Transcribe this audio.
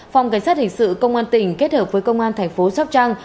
phòng cảnh sát hình sự công an tỉnh kết hợp với công an thành phố sóc trăng